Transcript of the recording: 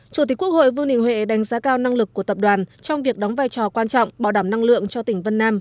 chủ tịch quốc hội vương đình huệ đánh giá cao năng lực của tập đoàn trong việc đóng vai trò quan trọng bảo đảm năng lượng cho tỉnh vân nam